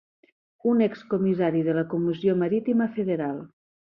És un excomissari de la Comissió Marítima Federal.